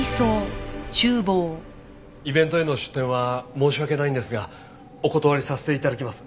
イベントへの出店は申し訳ないのですがお断りさせて頂きます。